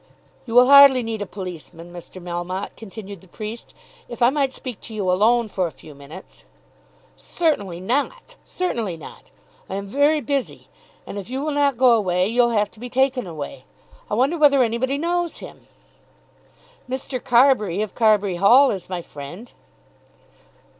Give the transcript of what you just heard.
"You will hardly need a policeman, Mr. Melmotte," continued the priest. "If I might speak to you alone for a few minutes " "Certainly not; certainly not. I am very busy, and if you will not go away you'll have to be taken away. I wonder whether anybody knows him." "Mr. Carbury, of Carbury Hall, is my friend."